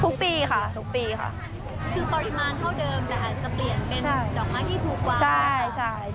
ทุกปีค่ะทุกปีค่ะคือปริมาณเท่าเดิมแต่จะเปลี่ยนเป็น